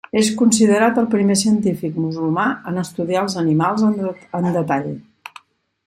És considerat el primer científic musulmà en estudiar els animals en detall.